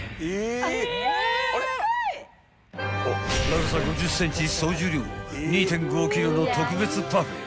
［高さ５０ｃｍ総重量２．５ｋｇの特別パフェ］